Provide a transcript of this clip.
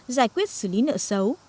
giải quyết xử lý nợ xấu